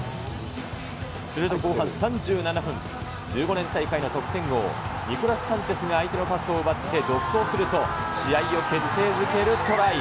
すると後半３７分、１５年大会の得点王、ニコラス・サンチェスが相手のパスを奪って独走すると、試合を決定づけるトライ。